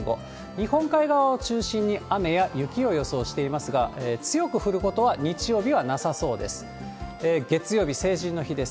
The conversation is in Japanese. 日本海側を中心に雨や雪を予想していますが、強く降ることは日曜日はなさそうです。